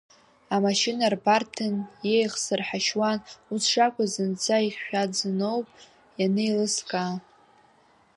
Амашьына рбарҭан, иеихсыр ҳашьуан, ус шакәыз зынӡа ихьшәаӡаноуп ианеилыскаа.